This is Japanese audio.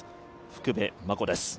福部真子です。